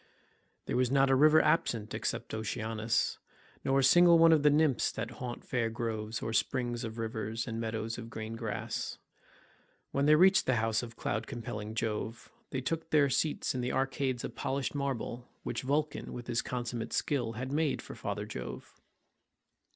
There was not a river absent except Oceanus, nor a single one of the nymphs that haunt fair groves, or springs of rivers and meadows of green grass. When they reached the house of cloud compelling Jove, they took their seats in the arcades of polished marble which Vulcan with his consummate skill had made for father Jove.